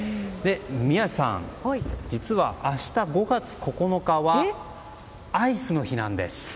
宮司さん、実は明日５月９日はアイスの日なんです。